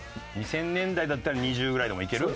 ２０００年代だったら２０ぐらいでもいける？